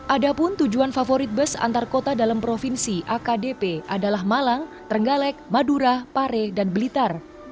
ada pun tujuan favorit bus antar kota dalam provinsi akdp adalah malang trenggalek madura pare dan blitar